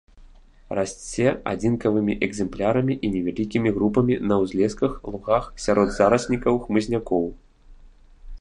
Расце адзінкавымі экземплярамі і невялікімі групамі на ўзлесках, лугах, сярод зараснікаў хмызнякоў.